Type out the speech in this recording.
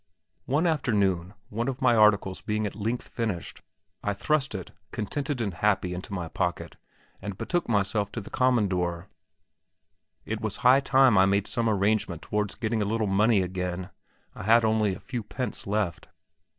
One afternoon, one of my articles being at length finished, I thrust it, contented and happy, into my pocket, and betook myself to the "commandor." It was high time I made some arrangement towards getting a little money again; I had only a few pence left.